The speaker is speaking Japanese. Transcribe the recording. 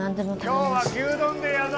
今日は牛丼デーやぞ